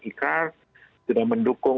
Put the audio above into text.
ikat sudah mendukung